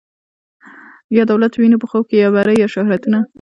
یا دولت وینو په خوب کي یا بری یا شهرتونه